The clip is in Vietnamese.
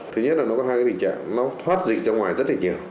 thứ nhất là nó có hai cái tình trạng nó thoát dị ra ngoài rất là nhiều